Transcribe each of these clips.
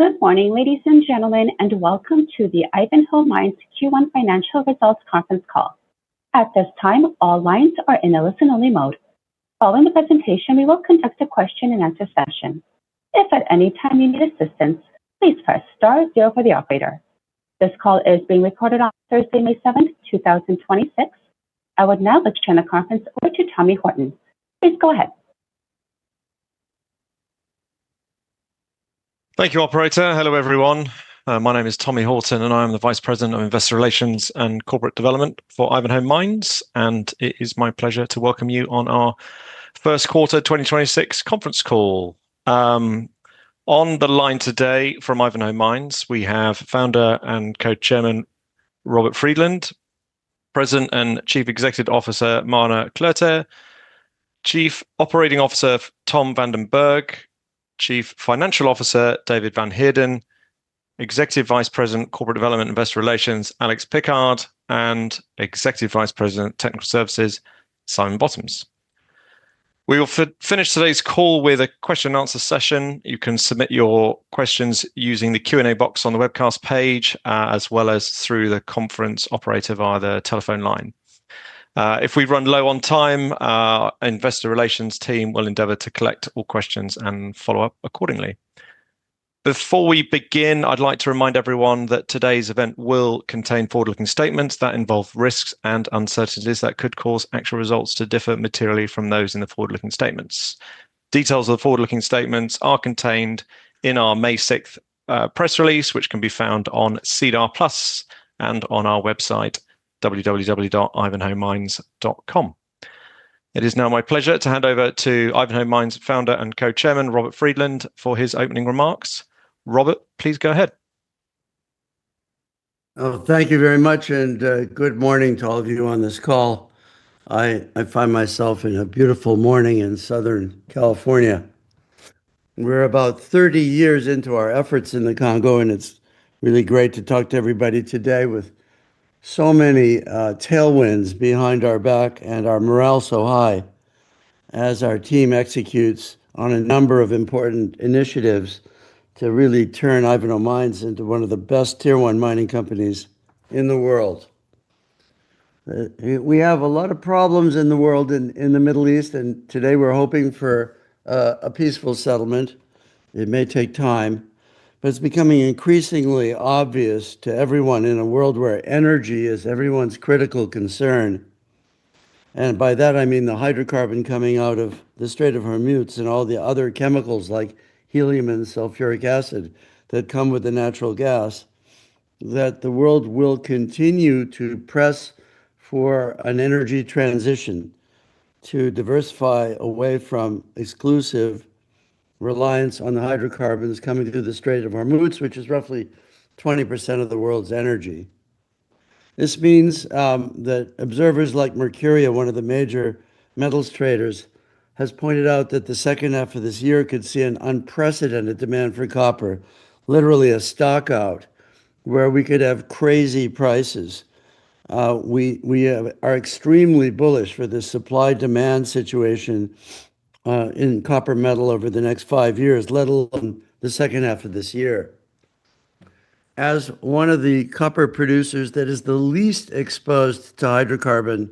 Good morning, ladies and gentlemen, and welcome to the Ivanhoe Mines Q1 Financial Results Conference Call. At this time, all lines are in a listen-only mode. Following the presentation, we will conduct a question and answer session. If at any time you need assistance, please press star zero, for the operator. This call is being recorded on Thursday, May 7th, 2026. I would now like to turn the conference over to Tommy Horton. Please go ahead. Thank you, operator. Hello, everyone. My name is Tommy Horton, and I am the Vice President, Investor Relations and Corporate Development for Ivanhoe Mines, and it is my pleasure to welcome you on our first quarter 2026 conference call. On the line today from Ivanhoe Mines, we have Founder and Executive Co-Chairman Robert Friedland, President and Chief Executive Officer, Marna Cloete, Chief Operating Officer, Tom van den Berg, Chief Financial Officer, David van Heerden, Executive Vice President, Corporate Development and Investor Relations, Alex Pickard, and Executive Vice President, Technical Services, Simon Bottoms. We will finish today's call with a question and answer session. You can submit your questions using the Q&A box on the webcast page, as well as through the conference operator via the telephone line. If we run low on time, our investor relations team will endeavor to collect all questions and follow up accordingly. Before we begin, I'd like to remind everyone that today's event will contain forward-looking statements that involve risks and uncertainties that could cause actual results to differ materially from those in the forward-looking statements. Details of the forward-looking statements are contained in our May 6 press release, which can be found on SEDAR+ and on our website, www.ivanhoemines.com. It is now my pleasure to hand over to Ivanhoe Mines' Founder and Co-Chairman, Robert Friedland, for his opening remarks. Robert, please go ahead. Oh, thank you very much, and good morning to all of you on this call. I find myself in a beautiful morning in Southern California. We're about 30 years into our efforts in the Congo, and it's really great to talk to everybody today with so many tailwinds behind our back and our morale so high as our team executes on a number of important initiatives to really turn Ivanhoe Mines into one of the best tier-one mining companies in the world. We have a lot of problems in the world in the Middle East, and today we're hoping for a peaceful settlement. It may take time, but it's becoming increasingly obvious to everyone in a world where energy is everyone's critical concern, and by that I mean the hydrocarbon coming out of the Strait of Hormuz and all the other chemicals like helium and sulfuric acid that come with the natural gas, that the world will continue to press for an energy transition to diversify away from exclusive reliance on the hydrocarbons coming through the Strait of Hormuz, which is roughly 20% of the world's energy. This means that observers like Mercuria, one of the major metals traders, has pointed out that the second half of this year could see an unprecedented demand for copper, literally a stock out, where we could have crazy prices. We are extremely bullish for the supply-demand situation in copper metal over the next five years, let alone the second half of this year. As one of the copper producers that is the least exposed to hydrocarbon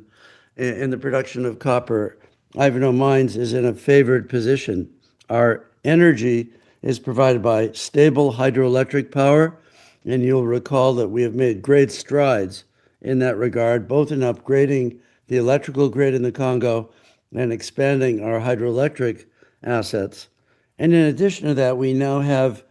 in the production of copper, Ivanhoe Mines is in a favored position. Our energy is provided by stable hydroelectric power, and you'll recall that we have made great strides in that regard, both in upgrading the electrical grid in the Congo and expanding our hydroelectric assets. In addition to that, we now have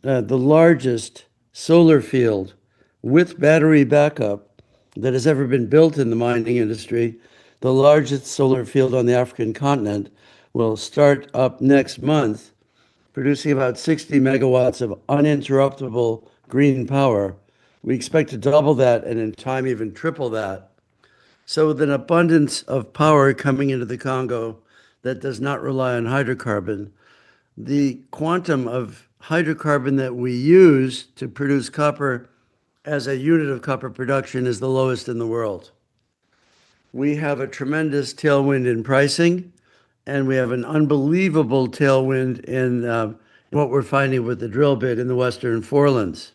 the largest solar field with battery backup that has ever been built in the mining industry. The largest solar field on the African continent will start up next month, producing about 60 MW of uninterruptible green power. We expect to double that and in time even triple that. With an abundance of power coming into the Congo that does not rely on hydrocarbon, the quantum of hydrocarbon that we use to produce copper as a unit of copper production is the lowest in the world. We have a tremendous tailwind in pricing, and we have an unbelievable tailwind in what we're finding with the drill bit in the Western Forelands.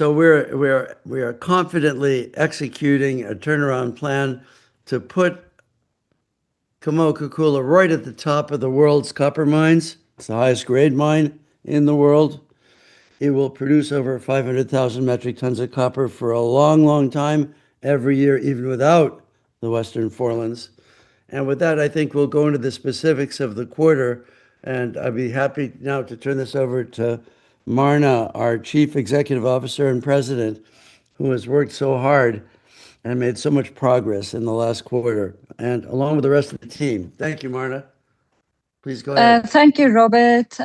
We're confidently executing a turnaround plan to put Kamoa-Kakula right at the top of the world's copper mines. It's the highest grade mine in the world. It will produce over 500,000 metric tons of copper for a long, long time every year, even without the Western Forelands. With that, I think we'll go into the specifics of the quarter, and I'd be happy now to turn this over to Marna, our Chief Executive Officer and President, who has worked so hard and made so much progress in the last quarter, and along with the rest of the team. Thank you, Marna. Please go ahead. Thank you, Robert.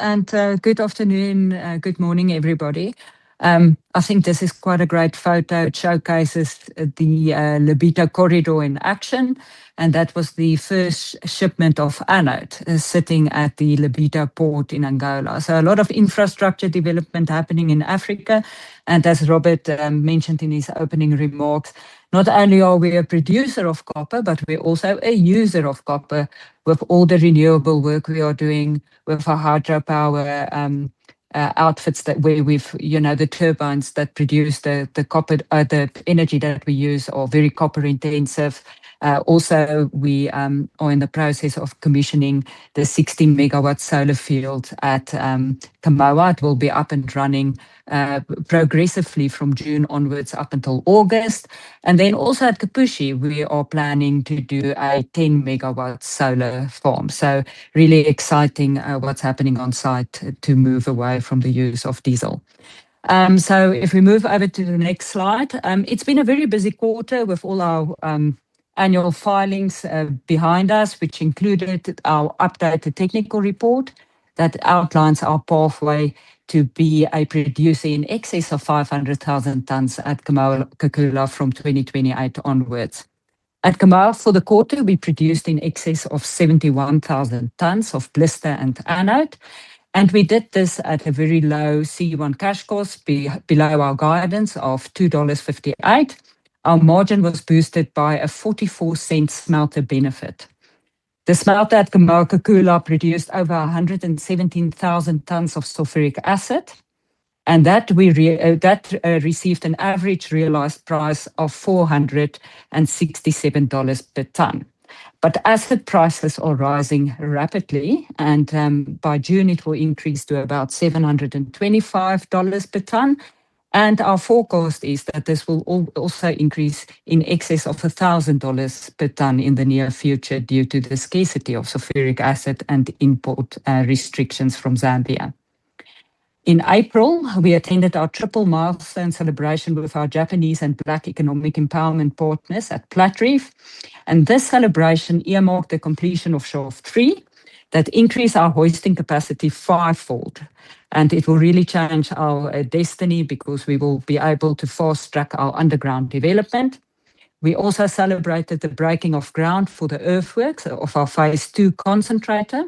Good afternoon, good morning, everybody. I think this is quite a great photo. It showcases the Lobito corridor in action. That was the first shipment of anode sitting at the Lobito port in Angola. A lot of infrastructure development happening in Africa. As Robert mentioned in his opening remarks, not only are we a producer of copper, but we're also a user of copper with all the renewable work we are doing with our hydropower. Outfits that where we've, you know, the turbines that produce the energy that we use are very copper intensive. We are in the process of commissioning the 16 MW solar field at Kamoa. It will be up and running progressively from June onwards, up until August. At Kipushi, we are planning to do a 10 MW solar farm. Really exciting what's happening on site to move away from the use of diesel. If we move over to the next slide. It's been a very busy quarter with all our annual filings behind us, which included our updated technical report that outlines our pathway to be a producer in excess of 500,000 tons at Kamoa-Kakula from 2028 onwards. At Kamoa, for the quarter, we produced in excess of 71,000 tons of blister and anode, and we did this at a very low C1 cash cost below our guidance of $2.58. Our margin was boosted by a $0.44 smelter benefit. The smelter at Kamoa-Kakula produced over 117,000 tons of sulfuric acid, and that received an average realized price of $467 per ton. Acid prices are rising rapidly and by June it will increase to about $725 per ton. Our forecast is that this will also increase in excess of $1,000 per ton in the near future due to the scarcity of sulfuric acid and import restrictions from Zambia. In April, we attended our triple milestone celebration with our Japanese and Black Economic Empowerment partners at Platreef. This celebration earmarked the completion of shaft 3 that increased our hoisting capacity five fold, and it will really change our destiny because we will be able to fast-track our underground development. We also celebrated the breaking of ground for the earthworks of our phase II concentrator,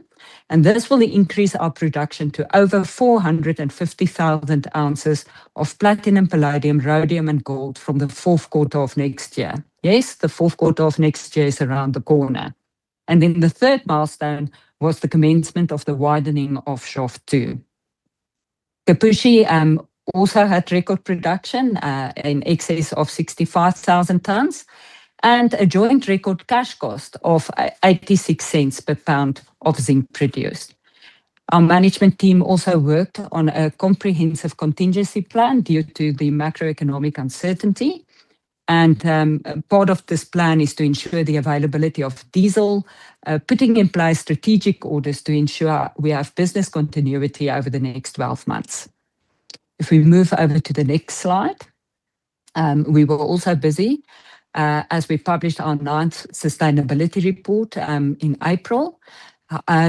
and this will increase our production to over 450,000 ounces of platinum, palladium, rhodium and gold from the fourth quarter of next year. Yes, the fourth quarter of next year is around the corner. The third milestone was the commencement of the widening of shaft 2. Kipushi also had record production in excess of 65,000 tons and a joint record cash cost of $0.86 per pound of zinc produced. Our management team also worked on a comprehensive contingency plan due to the macroeconomic uncertainty. Part of this plan is to ensure the availability of diesel, putting in place strategic orders to ensure we have business continuity over the next 12 months. If we move over to the next slide. We were also busy as we published our ninth sustainability report in April,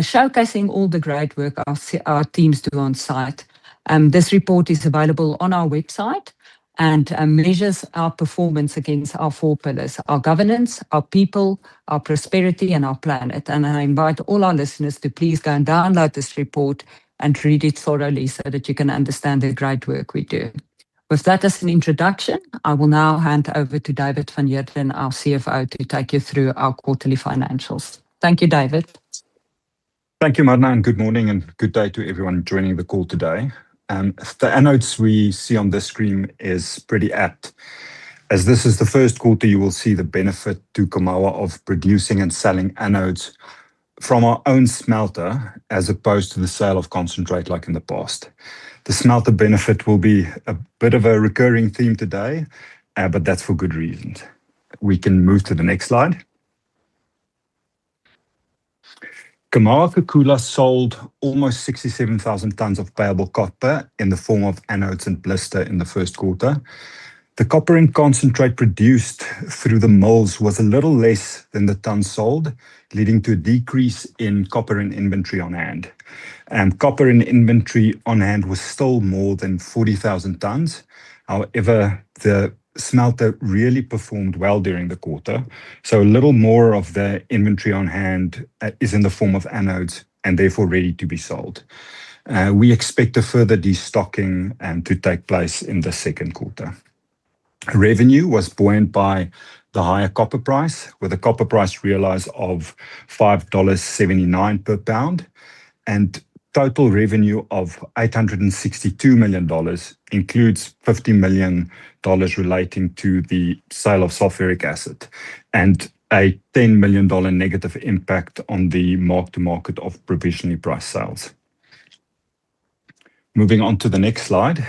showcasing all the great work our teams do on site. This report is available on our website and measures our performance against our four pillars, our governance, our people, our prosperity and our planet. I invite all our listeners to please go and download this report and read it thoroughly so that you can understand the great work we do. With that as an introduction, I will now hand over to David van Heerden, our CFO, to take you through our quarterly financials. Thank you, David. Thank you, Marna. Good morning and good day to everyone joining the call today. The anodes we see on this screen is pretty apt as this is the first quarter you will see the benefit to Kamoa of producing and selling anodes from our own smelter as opposed to the sale of concentrate like in the past. The smelter benefit will be a bit of a recurring theme today. That's for good reasons. We can move to the next slide. Kamoa-Kakula sold almost 67,000 tons of payable copper in the form of anodes and blister in the first quarter. The copper and concentrate produced through the mills was a little less than the tons sold, leading to a decrease in copper and inventory on hand. Copper and inventory on hand was still more than 40,000 tons. The smelter really performed well during the quarter, a little more of the inventory on hand is in the form of anodes and therefore ready to be sold. We expect a further destocking to take place in the second quarter. Revenue was buoyed by the higher copper price, with a copper price realized of $5.79 per pound and total revenue of $862 million includes $50 million relating to the sale of sulfuric acid and a $10 million negative impact on the mark to market of provisionally priced sales. Moving on to the next slide.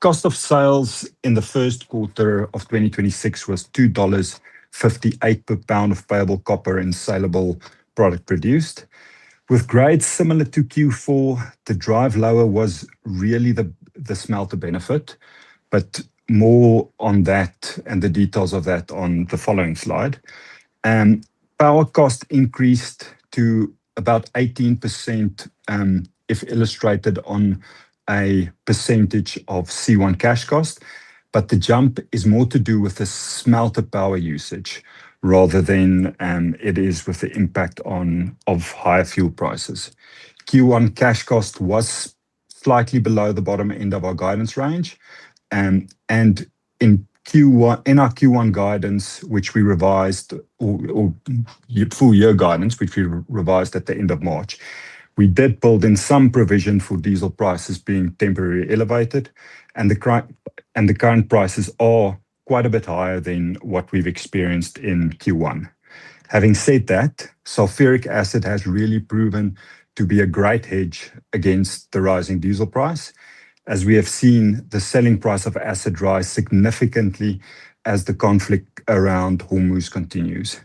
Cost of sales in the first quarter of 2026 was $2.58 per pound of payable copper and saleable product produced. With grades similar to Q4, the drive lower was really the smelter benefit, but more on that and the details of that on the following slide. Power cost increased to about 18%, if illustrated on a percentage of C1 cash cost. The jump is more to do with the smelter power usage rather than it is with the impact of higher fuel prices. Q1 cash cost was Slightly below the bottom end of our guidance range. In Q1, in our Q1 guidance, which we revised or full year guidance, which we revised at the end of March, we did build in some provision for diesel prices being temporarily elevated and the current prices are quite a bit higher than what we've experienced in Q1. Having said that, sulfuric acid has really proven to be a great hedge against the rising diesel price, as we have seen the selling price of acid rise significantly as the conflict around Hormuz continues.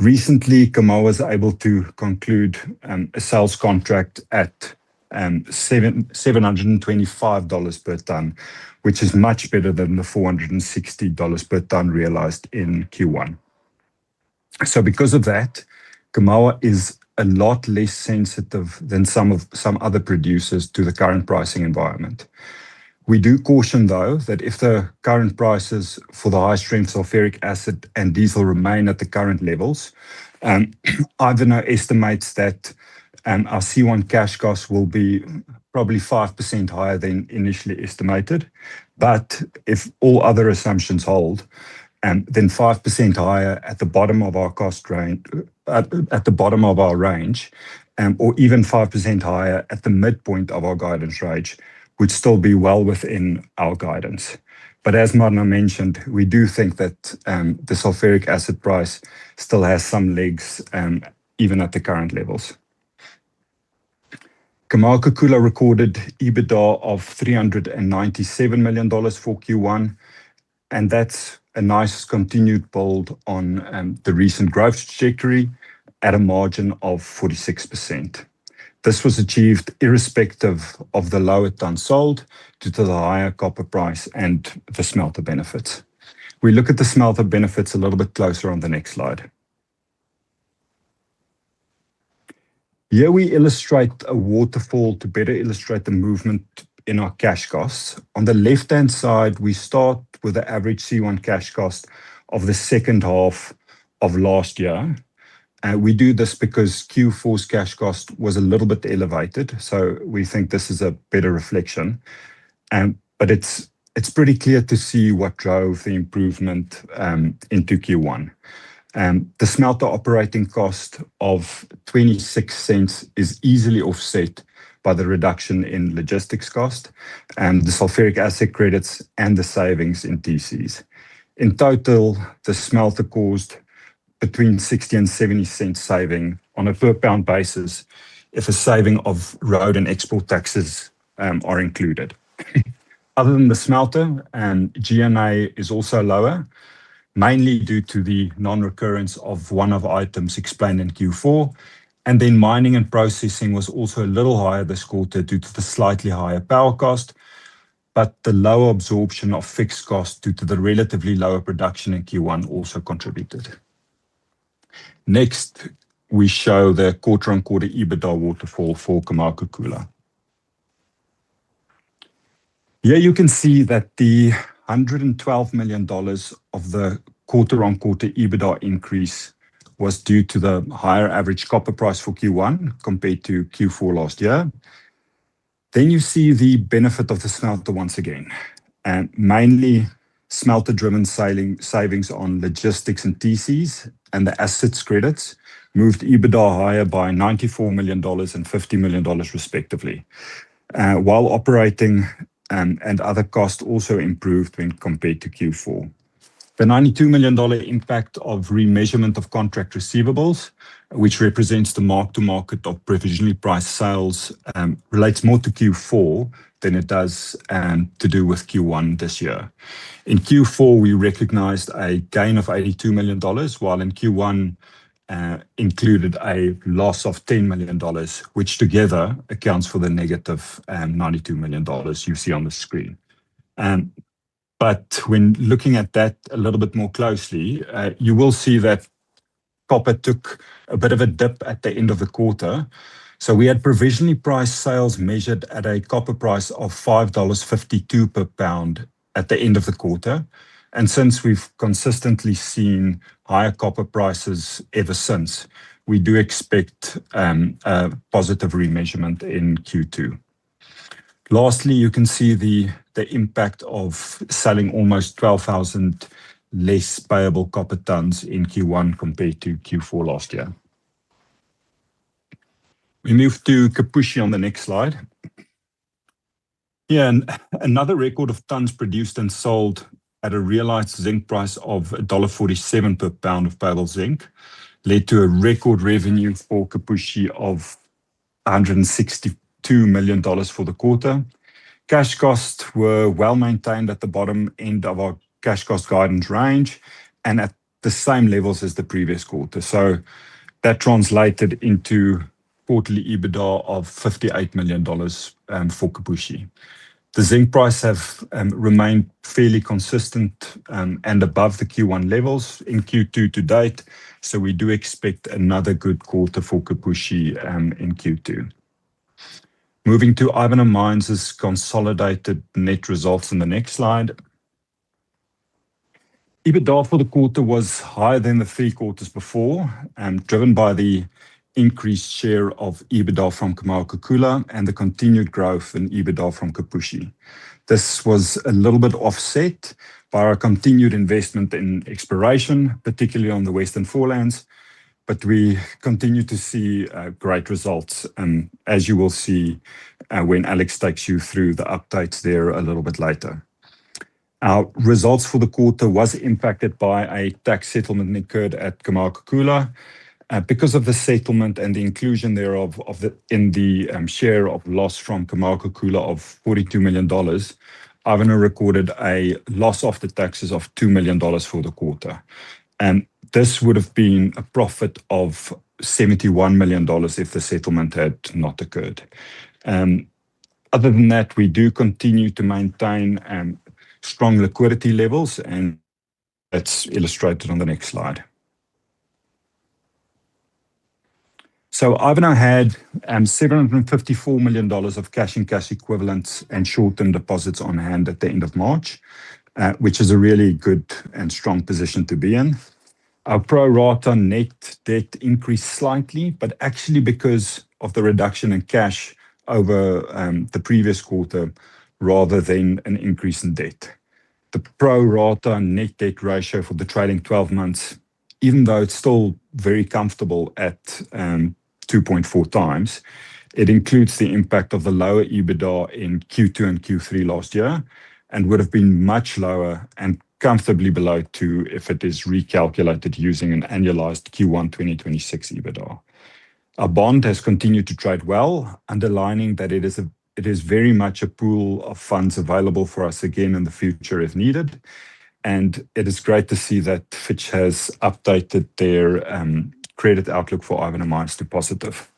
Recently, Kamoa was able to conclude a sales contract at $725 per ton, which is much better than the $460 per ton realized in Q1. Because of that, Kamoa is a lot less sensitive than some other producers to the current pricing environment. We do caution, though, that if the current prices for the high-strength sulfuric acid and diesel remain at the current levels, Ivanhoe estimates that our C1 cash costs will be probably 5% higher than initially estimated. If all other assumptions hold, then 5% higher at the bottom of our cost range, at the bottom of our range, or even 5% higher at the midpoint of our guidance range, would still be well within our guidance. As Marna mentioned, we do think that the sulfuric acid price still has some legs, even at the current levels. Kamoa-Kakula recorded EBITDA of $397 million for Q1, that's a nice continued build on the recent growth trajectory at a margin of 46%. This was achieved irrespective of the lower tons sold due to the higher copper price and the smelter benefits. We look at the smelter benefits a little bit closer on the next slide. Here we illustrate a waterfall to better illustrate the movement in our cash costs. On the left-hand side, we start with the average C1 cash cost of the second half of last year. We do this because Q4's cash cost was a little bit elevated, we think this is a better reflection. It's pretty clear to see what drove the improvement into Q1. The smelter operating cost of $0.26 is easily offset by the reduction in logistics cost and the sulfuric acid credits and the savings in TCs. In total, the smelter caused between $0.60 and $0.70 saving on a per pound basis if a saving of road and export taxes are included. Other than the smelter, G&A is also lower, mainly due to the non-recurrence of one-off items explained in Q4. Mining and processing was also a little higher this quarter due to the slightly higher power cost, but the lower absorption of fixed cost due to the relatively lower production in Q1 also contributed. We show the quarter-on-quarter EBITDA waterfall for Kamoa-Kakula. Here you can see that the $112 million of the quarter-on-quarter EBITDA increase was due to the higher average copper price for Q1 compared to Q4 last year. You see the benefit of the smelter once again. mainly smelter-driven savings on logistics and TCs and the assets credits moved EBITDA higher by $94 million and $50 million respectively. While operating and other costs also improved when compared to Q4. The $92 million impact of remeasurement of contract receivables, which represents the mark to market of provisionally priced sales, relates more to Q4 than it does to do with Q1 this year. In Q4, we recognized a gain of $82 million, while in Q1, included a loss of $10 million, which together accounts for the negative $92 million you see on the screen. When looking at that a little bit more closely, you will see that copper took a bit of a dip at the end of the quarter. We had provisionally priced sales measured at a copper price of $5.52 per pound at the end of the quarter. Since we've consistently seen higher copper prices ever since, we do expect a positive remeasurement in Q2. Lastly, you can see the impact of selling almost 12,000 less payable copper tons in Q1 compared to Q4 last year. We move to Kipushi on the next slide. Yeah. Another record of tons produced and sold at a realized zinc price of $1.47 per pound of payable zinc led to a record revenue for Kipushi of $162 million for the quarter. Cash costs were well-maintained at the bottom end of our cash cost guidance range and at the same levels as the previous quarter. That translated into quarterly EBITDA of $58 million for Kipushi. The zinc price have remained fairly consistent and above the Q1 levels in Q2 to date, so we do expect another good quarter for Kipushi in Q2. Moving to Ivanhoe Mines' consolidated net results in the next slide. EBITDA for the quarter was higher than the three quarters before, driven by the increased share of EBITDA from Kamoa-Kakula and the continued growth in EBITDA from Kipushi. This was a little bit offset by our continued investment in exploration, particularly on the Western Forelands, but we continue to see great results, as you will see when Alex takes you through the updates there a little bit later. Our results for the quarter was impacted by a tax settlement that occurred at Kamoa-Kakula. Because of the settlement and the inclusion thereof of the, in the, share of loss from Kamoa-Kakula of $42 million, Ivanhoe recorded a loss after taxes of $2 million for the quarter. This would've been a profit of $71 million if the settlement had not occurred. Other than that, we do continue to maintain strong liquidity levels. That's illustrated on the next slide. Ivanhoe had $754 million of cash and cash equivalents and short-term deposits on hand at the end of March, which is a really good and strong position to be in. Our pro rata net debt increased slightly, actually because of the reduction in cash over the previous quarter rather than an increase in debt. The pro rata net debt ratio for the trailing 12 months, even though it's still very comfortable at 2.4x, it includes the impact of the lower EBITDA in Q2 and Q3 last year and would've been much lower and comfortably below 2 if it is recalculated using an annualized Q1 2026 EBITDA. Our bond has continued to trade well, underlining that it is very much a pool of funds available for us again in the future if needed, and it is great to see that Fitch has updated their credit outlook for Ivanhoe Mines to positive.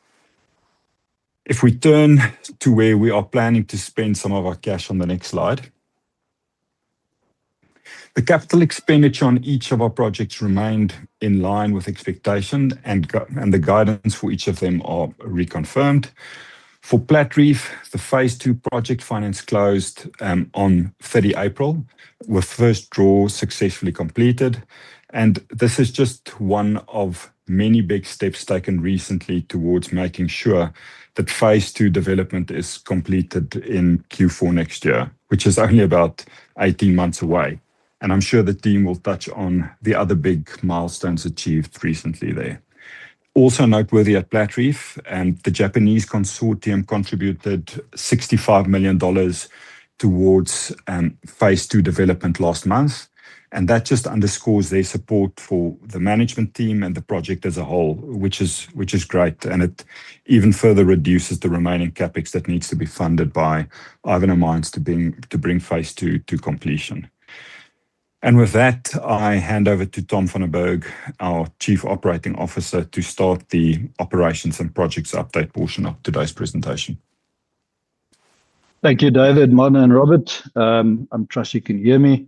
If we turn to where we are planning to spend some of our cash on the next slide. The capital expenditure on each of our projects remained in line with expectation and the guidance for each of them are reconfirmed. For Platreef, the phase II project finance closed on 30 April, with first draw successfully completed. This is just one of many big steps taken recently towards making sure that Phase 2 development is completed in Q4 next year, which is only about 18 months away, and I am sure the team will touch on the other big milestones achieved recently there. Also noteworthy at Platreef, the Japanese consortium contributed $65 million towards phase II development last month, and that just underscores their support for the management team and the project as a whole, which is great and it even further reduces the remaining CapEx that needs to be funded by Ivanhoe Mines to bring phase II to completion. With that, I hand over to Tom van den Berg, our Chief Operating Officer, to start the operations and projects update portion of today's presentation. Thank you, David, Marna, and Robert. I trust you can hear me.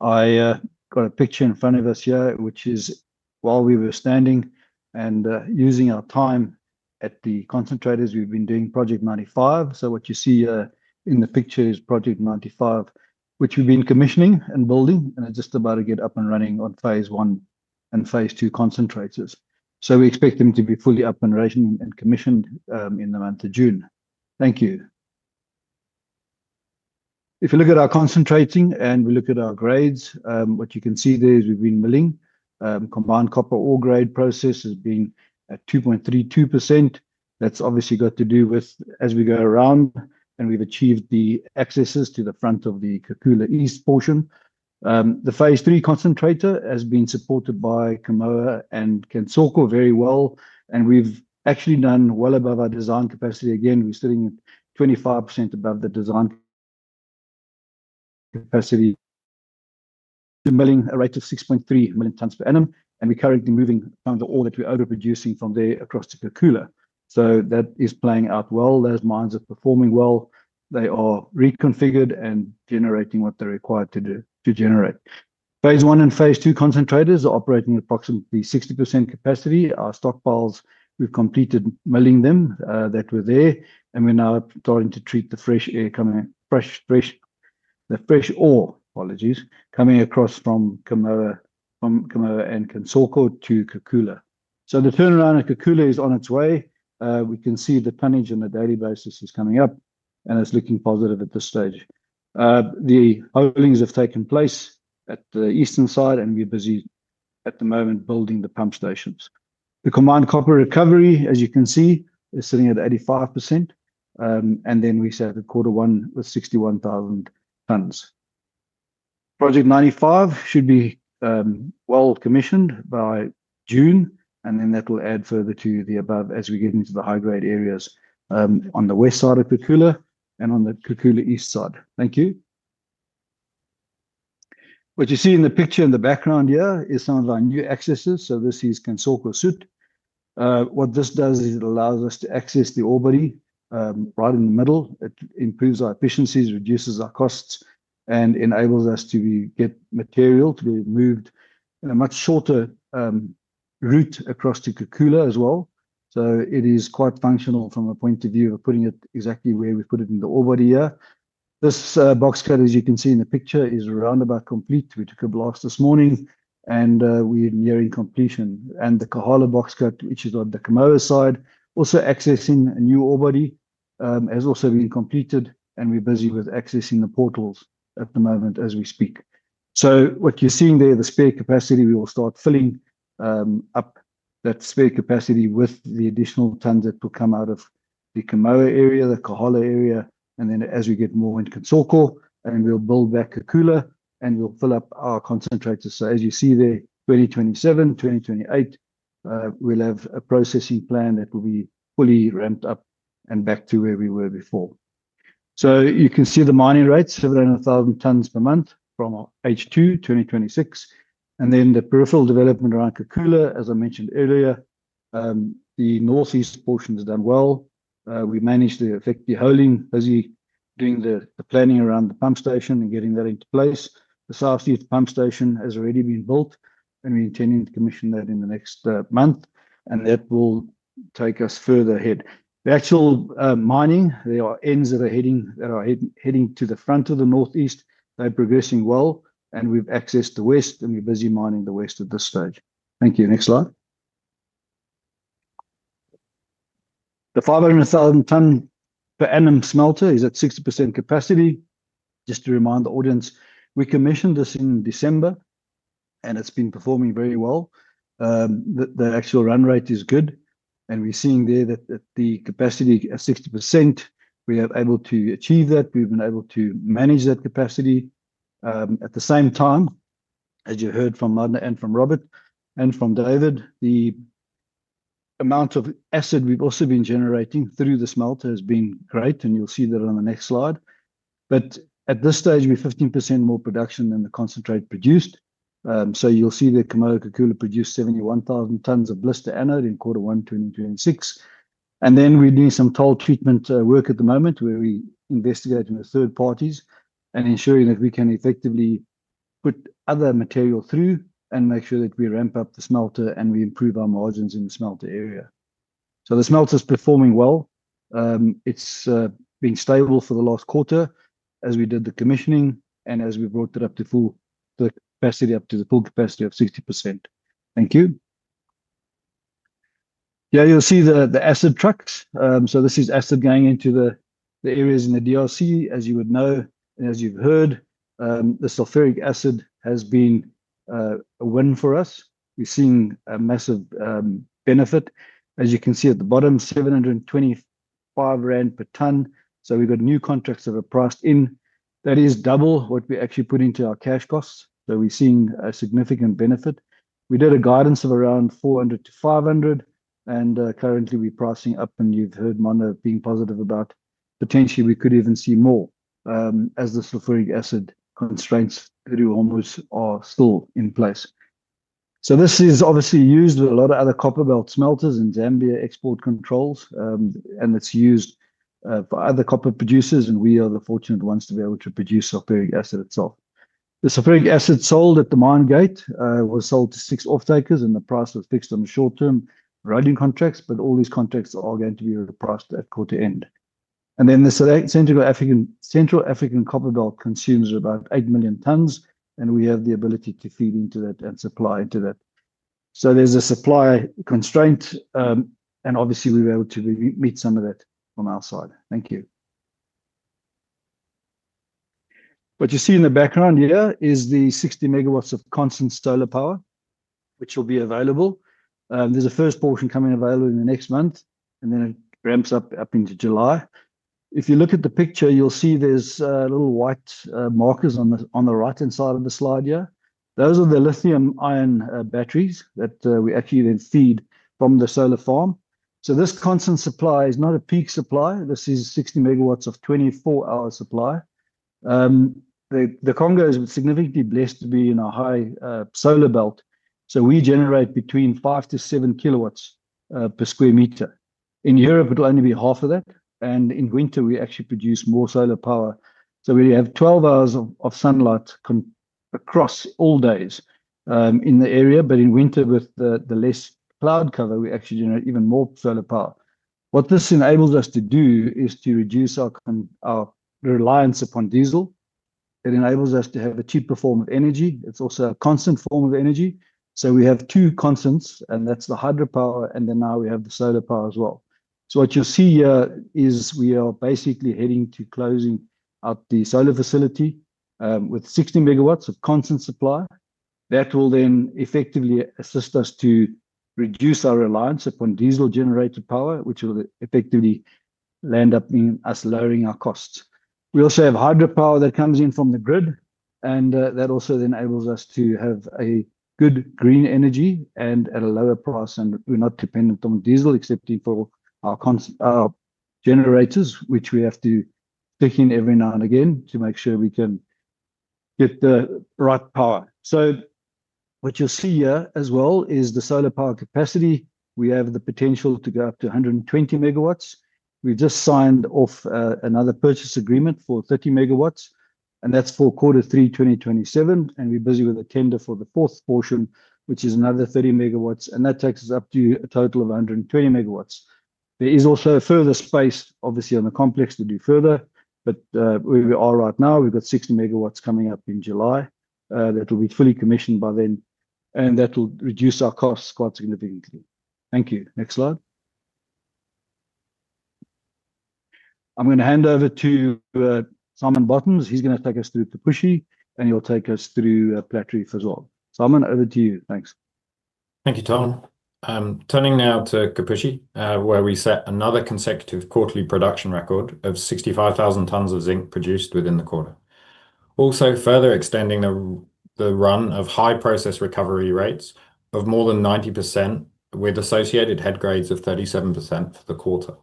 I got a picture in front of us here, which is while we were standing and using our time at the concentrators, we've been doing Project 95. What you see in the picture is Project 95, which we've been commissioning and building, and it's just about to get up and running on phase I and phase II concentrators. We expect them to be fully up and running and commissioned in the month of June. Thank you. If you look at our concentrating and we look at our grades, what you can see there is we've been milling, combined copper ore grade processes being at 2.32%. That's obviously got to do with as we go around and we've achieved the accesses to the front of the Kakula East portion. The phase III concentrator has been supported by Kamoa and Kansoko very well, and we've actually done well above our design capacity. Again, we're sitting at 25% above the design capacity. We're milling a rate of 6.3 million tons per annum, and we're currently moving around the ore that we're overproducing from there across to Kakula. That is playing out well. Those mines are performing well. They are reconfigured and generating what they're required to do, to generate. phase I and phase II concentrators are operating at approximately 60% capacity. Our stockpiles, we've completed milling them, that were there, and we're now starting to treat the fresh ore coming across from Kamoa and Kansoko to Kakula. The turnaround at Kakula is on its way. We can see the tonnage on a daily basis is coming up, and it's looking positive at this stage. The holings have taken place at the eastern side, and we're busy at the moment building the pump stations. The combined copper recovery, as you can see, is sitting at 85%. We set the quarter one with 61,000 tons. Project 95 should be well commissioned by June, that will add further to the above as we get into the high-grade areas on the west side of Kakula and on the Kakula east side. Thank you. What you see in the picture in the background here is some of our new accesses, so this is Kansoko Sud. What this does is it allows us to access the ore body right in the middle. It improves our efficiencies, reduces our costs, and enables us to get material to be moved and a much shorter route across to Kakula as well. It is quite functional from a point of view of putting it exactly where we put it in the ore body here. This box cut, as you can see in the picture, is roundabout complete. We took a blast this morning, and we are nearing completion. The Kamoa box cut, which is on the Kamoa side, also accessing a new ore body, has also been completed and we're busy with accessing the portals at the moment as we speak. What you're seeing there, the spare capacity, we will start filling up that spare capacity with the additional tons that will come out of the Kamoa area, the Kakula area, and then as we get more into Kansoko and we'll build back Kakula and we'll fill up our concentrator. As you see there, 2027, 2028, we'll have a processing plan that will be fully ramped up and back to where we were before. You can see the mining rates, 700,000 tons per month from H2 2026. The peripheral development around Kakula, as I mentioned earlier, the northeast portion has done well. We managed to effect the hauling, busy doing the planning around the pump station and getting that into place. The southeast pump station has already been built. We're intending to commission that in the next month. That will take us further ahead. The actual mining, there are ends that are heading to the front of the northeast. They're progressing well. We've accessed the west. We're busy mining the west at this stage. Thank you. Next slide. The 500,000 ton per annum smelter is at 60% capacity. Just to remind the audience, we commissioned this in December. It's been performing very well. The actual run rate is good. We're seeing there that the capacity at 60%, we are able to achieve that. We've been able to manage that capacity. At the same time, as you heard from Marna and from Robert and from David, the amount of acid we've also been generating through the smelter has been great, and you'll see that on the next slide. At this stage, we have 15% more production than the concentrate produced. You'll see that Kamoa-Kakula produced 71,000 tons of blister anode in Q1 2026. Then we're doing some toll treatment work at the moment, where we investigating with third parties and ensuring that we can effectively put other material through and make sure that we ramp up the smelter and we improve our margins in the smelter area. The smelter's performing well. It's been stable for the last quarter as we did the commissioning and as we brought it up to full capacity, up to the full capacity of 60%. Thank you. Here you'll see the acid trucks. This is acid going into the areas in the DRC. As you would know and as you've heard, the sulfuric acid has been a win for us. We're seeing a massive benefit. As you can see at the bottom, $725 per ton. We've got new contracts that are priced in. That is double what we actually put into our cash costs. We're seeing a significant benefit. We did a guidance of around $400-$500, and currently we're pricing up, and you've heard Marna being positive about potentially we could even see more as the sulfuric acid constraints. What you'll see here as well is the solar power capacity. We have the potential to go up to 120 MW. We've just signed off another purchase agreement for 30 MW, and that's for Q3 2027. We're busy with a tender for the fourth portion, which is another 30 MW, that takes us up to a total of 120 MW. There is also further space, obviously, on the complex to do further, where we are right now, we've got 60 MW coming up in July, that will be fully commissioned by then, that will reduce our costs quite significantly. Thank you. Next slide. I'm gonna hand over to Simon Bottoms. He's gonna take us through Kipushi, and he'll take us through Platreef as well. Simon, over to you. Thanks. Thank you, Tom. Turning now to Kipushi, where we set another consecutive quarterly production record of 65,000 tons of zinc produced within the quarter. Also, further extending the run of high process recovery rates of more than 90% with associated head grades of 37% for the quarter.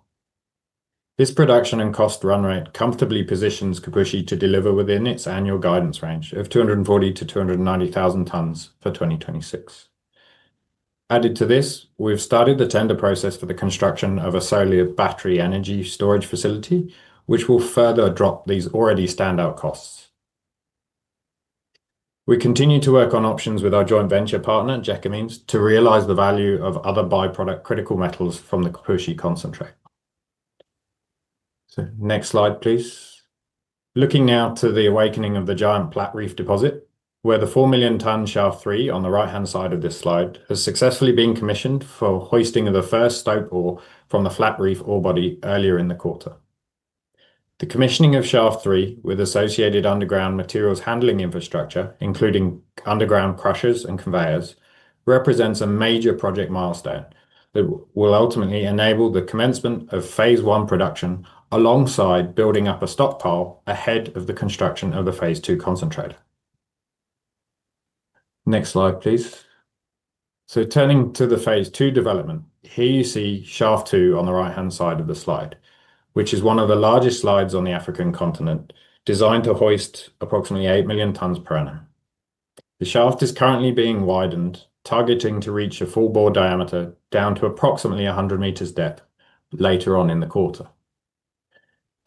This production and cost run rate comfortably positions Kipushi to deliver within its annual guidance range of 240,000 -290,000 tons for 2026. Added to this, we've started the tender process for the construction of a solar battery energy storage facility, which will further drop these already standout costs. We continue to work on options with our joint venture partner, Gécamines, to realize the value of other byproduct critical metals from the Kipushi concentrate. Next slide, please. Looking now to the awakening of the giant Platreef deposit, where the 4 million tons Shaft 3 on the right-hand side of this slide has successfully been commissioned for hoisting of the first stope ore from the Flatreef ore body earlier in the quarter. The commissioning of Shaft 3 with associated underground materials handling infrastructure, including underground crushers and conveyors, represents a major project milestone that will ultimately enable the commencement of phase I production alongside building up a stockpile ahead of the construction of the phase II concentrator. Next slide, please. Turning to the phase II development, here you see Shaft 2 on the right-hand side of the slide, which is one of the largest slides on the African continent, designed to hoist approximately 8 million tons per annum. The shaft is currently being widened, targeting to reach a full bore diameter down to approximately 100 meters depth later on in the quarter.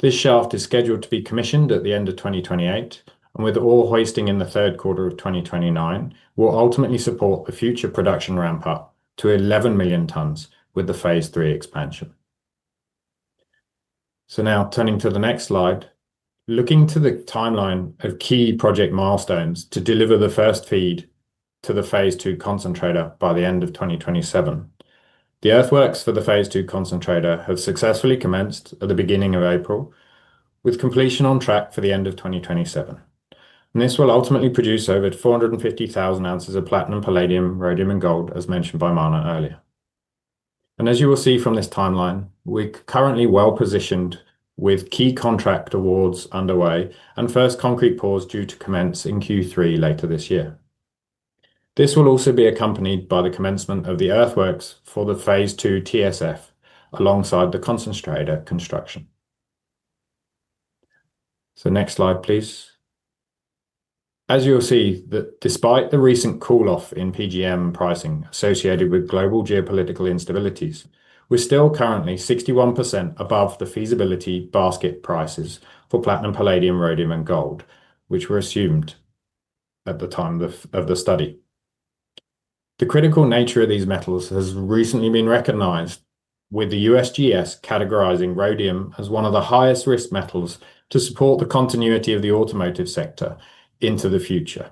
This shaft is scheduled to be commissioned at the end of 2028, and with ore hoisting in the third quarter of 2029, will ultimately support a future production ramp up to 11 million tons with the phase III expansion. Now turning to the next slide, looking to the timeline of key project milestones to deliver the first feed to the Phase 2 concentrator by the end of 2027. The earthworks for the phase II concentrator have successfully commenced at the beginning of April, with completion on track for the end of 2027. This will ultimately produce over 450,000 ounces of platinum, palladium, rhodium, and gold, as mentioned by Marna earlier. As you will see from this timeline, we're currently well-positioned with key contract awards underway and first concrete pours due to commence in Q3 later this year. This will also be accompanied by the commencement of the earthworks for the phase II TSF alongside the concentrator construction. Next slide, please. As you'll see that despite the recent cool off in PGM pricing associated with global geopolitical instabilities, we're still currently 61% above the feasibility basket prices for platinum, palladium, rhodium, and gold, which were assumed at the time of the study. The critical nature of these metals has recently been recognized with the USGS categorizing rhodium as one of the highest-risk metals to support the continuity of the automotive sector into the future.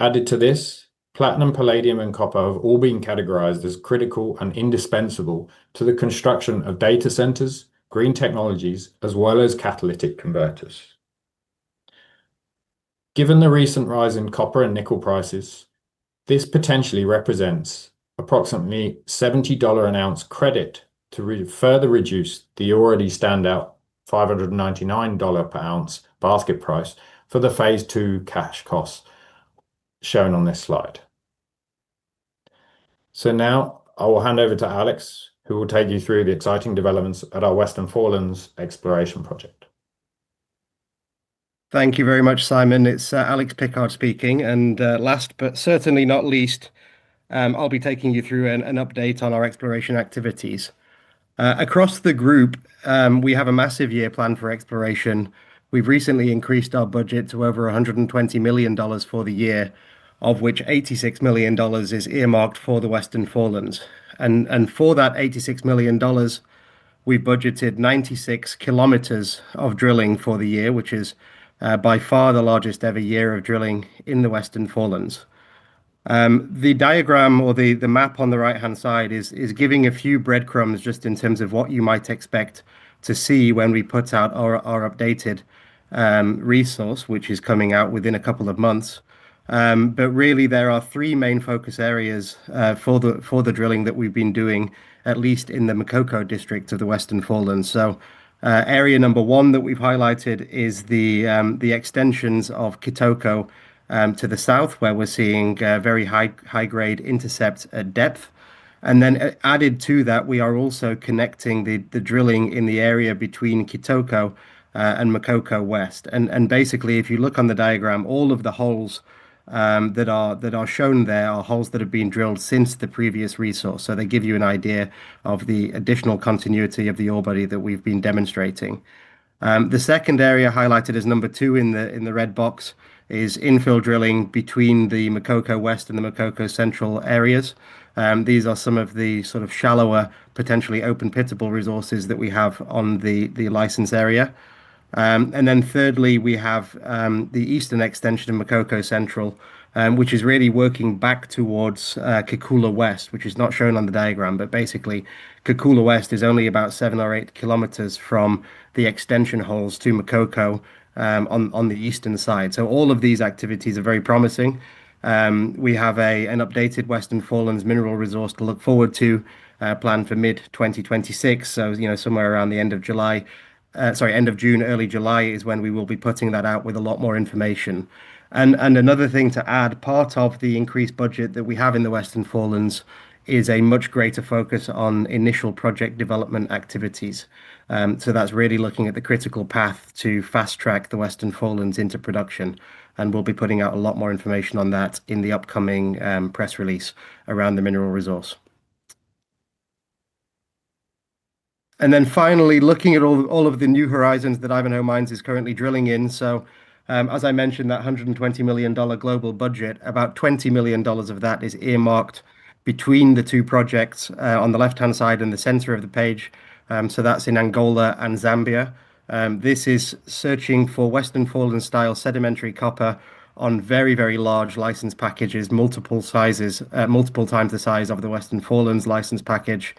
Added to this, platinum, palladium, and copper have all been categorized as critical and indispensable to the construction of data centers, green technologies, as well as catalytic converters. Given the recent rise in copper and nickel prices, this potentially represents approximately $70 an ounce credit to re-further reduce the already standout $599 per ounce basket price for the phase II cash costs shown on this slide. Now I will hand over to Alex, who will take you through the exciting developments at our Western Forelands exploration project. Thank you very much, Simon. It's Alex Pickard speaking. Last but certainly not least, I'll be taking you through an update on our exploration activities. Across the group, we have a massive year plan for exploration. We've recently increased our budget to over $120 million for the year, of which $86 million is earmarked for the Western Forelands. For that $86 million, we've budgeted 96 km of drilling for the year, which is by far the largest ever year of drilling in the Western Forelands. The diagram or the map on the right-hand side is giving a few breadcrumbs just in terms of what you might expect to see when we put out our updated resource, which is coming out within two months. Really there are three main focus areas for the drilling that we've been doing, at least in the Makoko district of the Western Forelands. Area number one that we've highlighted is the extensions of Kitoko to the south, where we're seeing very high, high-grade intercepts at depth. Added to that, we are also connecting the drilling in the area between Kitoko and Makoko West. Basically, if you look on the diagram, all of the holes that are shown there are holes that have been drilled since the previous resource. They give you an idea of the additional continuity of the ore body that we've been demonstrating. The second area highlighted as number two in the, in the red box is infill drilling between the Makoko West and the Makoko Central areas. These are some of the sort of shallower potentially open pittable resources that we have on the license area. And then thirdly, we have the eastern extension of Makoko Central, which is really working back towards Kakula West, which is not shown on the diagram, but basically Kakula West is only about 7 km or 8 km from the extension holes to Makoko on the eastern side. All of these activities are very promising. We have an updated Western Forelands mineral resource to look forward to, planned for mid-2026. You know, somewhere around the end of June, early July is when we will be putting that out with a lot more information. Another thing to add, part of the increased budget that we have in the Western Forelands is a much greater focus on initial project development activities. That's really looking at the critical path to fast-track the Western Forelands into production, and we'll be putting out a lot more information on that in the upcoming press release around the mineral resource. Finally, looking at all of the new horizons that Ivanhoe Mines is currently drilling in. As I mentioned, that $120 million global budget, about $20 million of that is earmarked between the two projects on the left-hand side and the center of the page. That's in Angola and Zambia. This is searching for Western Forelands-style sedimentary copper on very, very large license packages, multiple sizes, multiple times the size of the Western Forelands license package.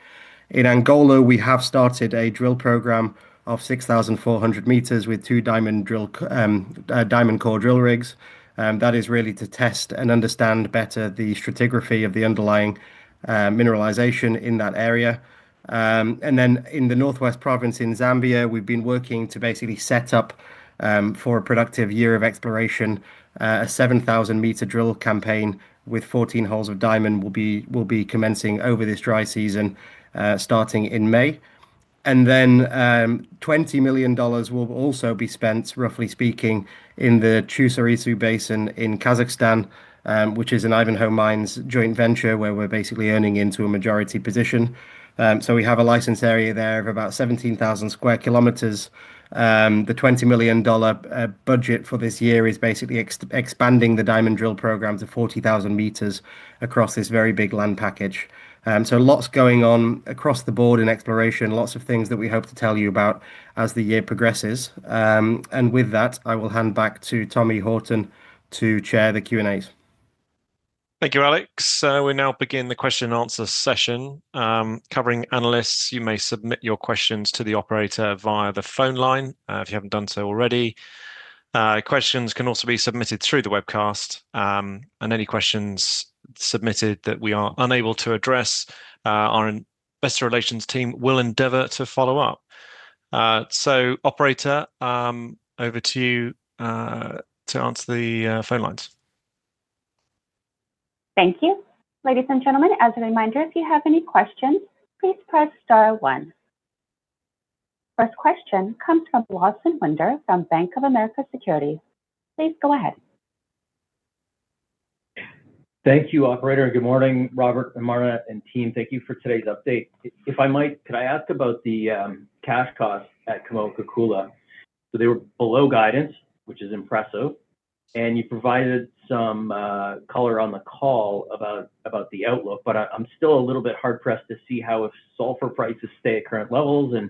In Angola, we have started a drill program of 6,400 meters with two diamond core drill rigs. That is really to test and understand better the stratigraphy of the underlying mineralization in that area. In the northwest province in Zambia, we've been working to basically set up for a productive year of exploration. A 7,000-meter drill campaign with 14 holes of diamond will be commencing over this dry season, starting in May. $20 million will also be spent, roughly speaking, in the Chu-Sarysu Basin in Kazakhstan, which is an Ivanhoe Mines joint venture where we're basically earning into a majority position. We have a license area there of about 17,000 sq km. The $20 million budget for this year is basically expanding the diamond drill programs of 40,000 meters across this very big land package. Lots going on across the board in exploration. Lots of things that we hope to tell you about as the year progresses. With that, I will hand back to Tommy Horton to chair the Q&A. Thank you, Alex. We now begin the question answer session. Covering analysts, you may submit your questions to the operator via the phone line, if you haven't done so already. Questions can also be submitted through the webcast. Any questions submitted that we are unable to address, our investor relations team will endeavor to follow up. Operator, over to you to answer the phone lines. Thank you. Ladies and gentlemen, as a reminder, if you have any questions, please press star one. First question comes from Lawson Winder from Bank of America Securities. Please go ahead. Thank you, operator. Good morning, Robert and Marna and team. Thank you for today's update. If I might, could I ask about the cash costs at Kamoa-Kakula? They were below guidance, which is impressive, and you provided some color on the call about the outlook, but I'm still a little bit hard pressed to see how if sulfur prices stay at current levels and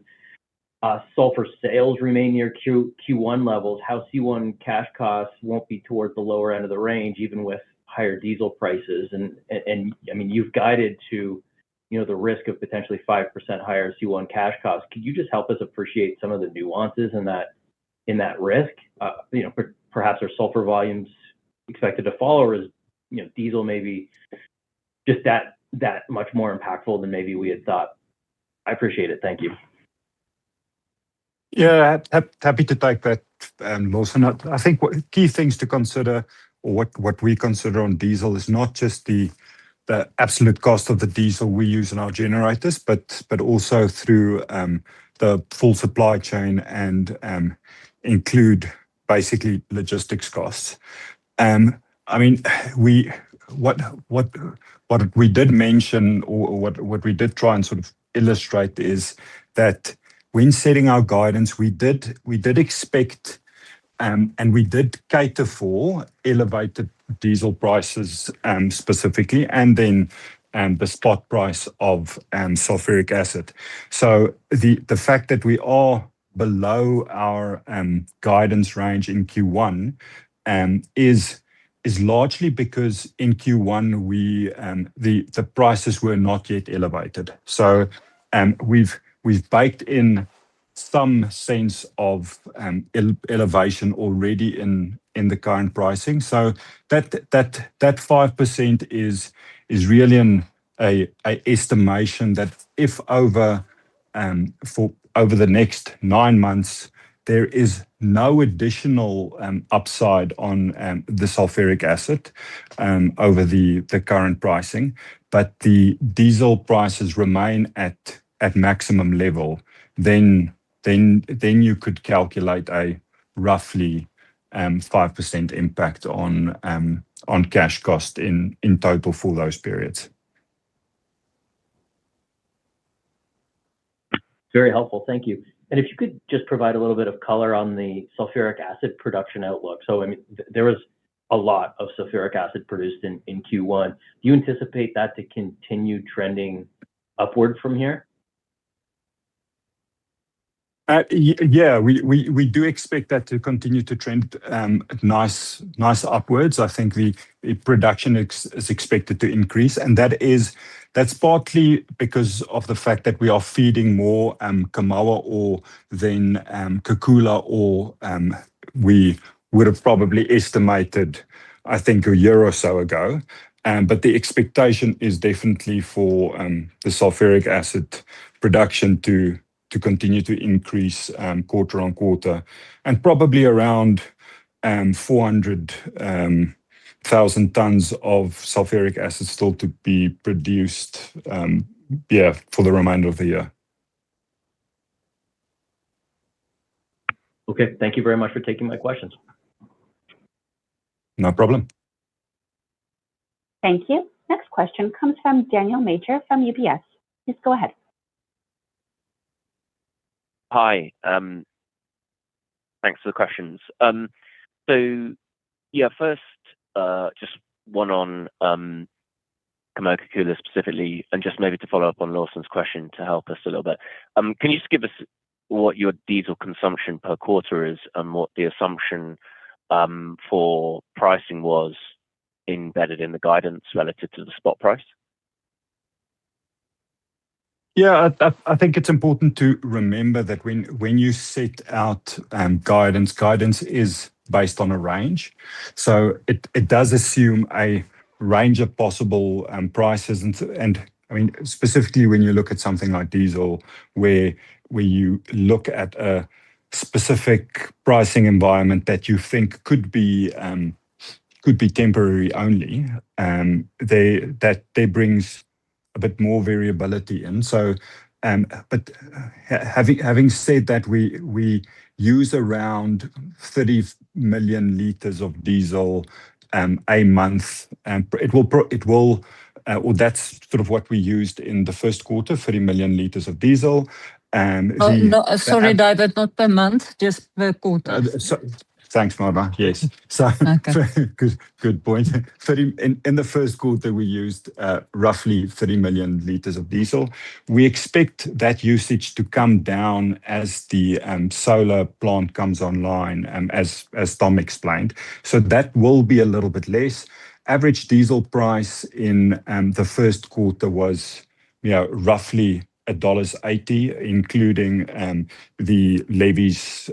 sulfur sales remain near Q1 levels, how C1 cash costs won't be towards the lower end of the range, even with higher diesel prices. I mean, you've guided to, you know, the risk of potentially 5% higher C1 cash costs. Could you just help us appreciate some of the nuances in that, in that risk? You know, perhaps are sulfur volumes expected to fall or is, you know, diesel maybe just that much more impactful than maybe we had thought? I appreciate it. Thank you. Happy to take that, Lawson. I think what key things to consider or what we consider on diesel is not just the absolute cost of the diesel we use in our generators, but also through the full supply chain and include basically logistics costs. I mean, what we did mention or what we did try and sort of illustrate is that when setting our guidance, we did expect and we did cater for elevated diesel prices specifically and then the spot price of sulfuric acid. The fact that we are below our guidance range in Q1 is largely because in Q1 we, the prices were not yet elevated. We've baked in some sense of elevation already in the current pricing. That 5% is really an estimation that if over the next nine months, there is no additional upside on the sulfuric acid over the current pricing, but the diesel prices remain at maximum level, then you could calculate a roughly 5% impact on cash cost in total for those periods. Very helpful. Thank you. If you could just provide a little bit of color on the sulfuric acid production outlook. I mean, there was a lot of sulfuric acid produced in Q1. Do you anticipate that to continue trending upward from here? Yeah, we do expect that to continue to trend nice upwards. I think the production is expected to increase, and that's partly because of the fact that we are feeding more Kamoa ore than Kakula ore, we would have probably estimated, I think, a year or so ago. The expectation is definitely for the sulfuric acid production to continue to increase quarter-on-quarter, and probably around 400,000 tons of sulfuric acid still to be produced for the remainder of the year. Okay. Thank you very much for taking my questions. No problem. Thank you. Next question comes from Daniel Major from UBS. Please go ahead. Hi. Thanks for the questions. Yeah, first, just one on Kamoa-Kakula specifically, and just maybe to follow up on Lawson's question to help us a little bit. Can you just give us what your diesel consumption per quarter is and what the assumption for pricing was embedded in the guidance relative to the spot price? Yeah. I think it's important to remember that when you set out guidance is based on a range. It does assume a range of possible prices. I mean, specifically when you look at something like diesel where you look at a specific pricing environment that you think could be temporary only, it brings a bit more variability in. Having said that, we use around 30 million liters of diesel a month. It will or that's sort of what we used in the first quarter, 30 million liters of diesel. Oh, no, sorry, David, not per month, just per quarter. thanks, Marna. Yes. Okay. Good, good point. In the first quarter, we used roughly 30 million liters of diesel. We expect that usage to come down as the solar plant comes online, as Tom explained. That will be a little bit less. Average diesel price in the first quarter was, you know, roughly $1.80, including the levies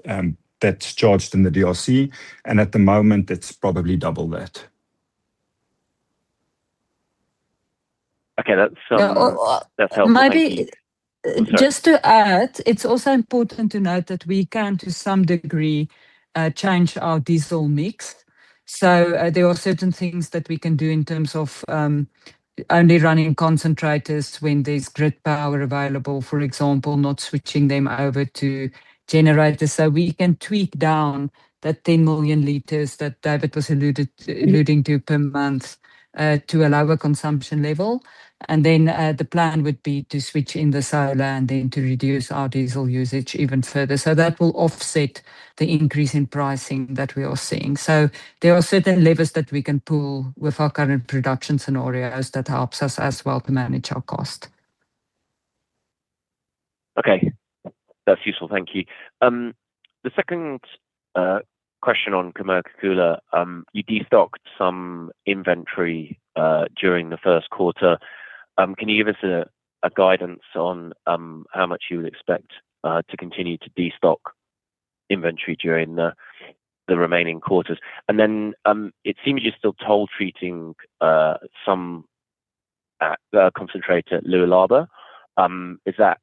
that's charged in the DRC. At the moment, it's probably double that. Okay. No. That's helpful. Thank you. Maybe- Sorry It's also important to note that we can, to some degree, change our diesel mix. There are certain things that we can do in terms of only running concentrators when there's grid power available, for example, not switching them over to generators. We can tweak down that 10 million liters that David was alluding to per month to a lower consumption level. Then the plan would be to switch in the solar and then to reduce our diesel usage even further. That will offset the increase in pricing that we are seeing. There are certain levers that we can pull with our current production scenarios that helps us as well to manage our cost. Okay. That's useful. Thank you. The second question on Kamoa-Kakula, you destocked some inventory during the first quarter. Can you give us a guidance on how much you would expect to continue to destock inventory during the remaining quarters? Then, it seems you're still toll treating some concentrate at Lualaba. Is that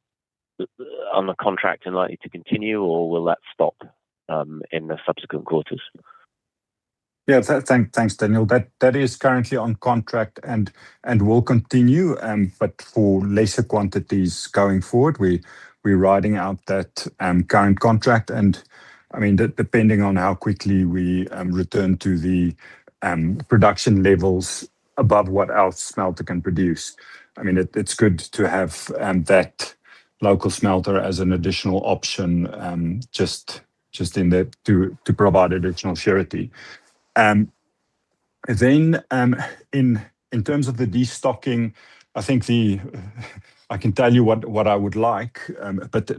on a contract and likely to continue, or will that stop in the subsequent quarters? Yeah. Thanks, Daniel. That is currently on contract and will continue, but for lesser quantities going forward. We're riding out that current contract and, I mean, depending on how quickly we return to the production levels above what our smelter can produce. I mean, it's good to have that local smelter as an additional option just in the to provide additional surety. In terms of the destocking, I think I can tell you what I would like.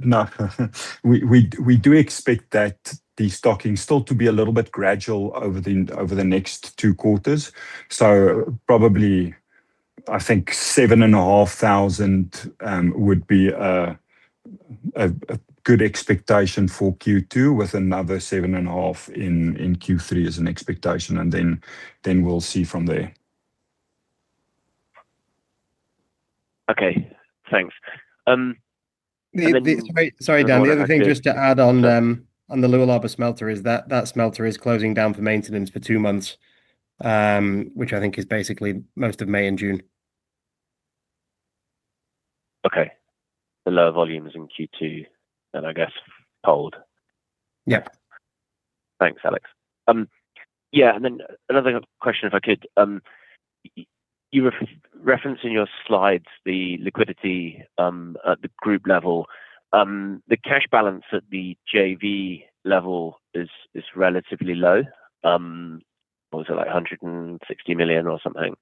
No, we do expect that destocking still to be a little bit gradual over the next two quarters. Probably, I think 7,500 would be a good expectation for Q2 with another 7,500 in Q3 as an expectation. Then we'll see from there. Okay. Thanks. Sorry, Daniel. The other thing just to add on the Lualaba smelter is that that smelter is closing down for maintenance for two months, which I think is basically most of May and June. Okay. The lower volumes in Q2 then I guess hold. Yeah. Thanks, Alex. Yeah, another question if I could. You reference in your slides the liquidity at the group level. The cash balance at the JV level is relatively low. What was it, like, $160 million or something.